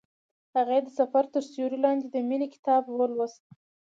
هغې د سفر تر سیوري لاندې د مینې کتاب ولوست.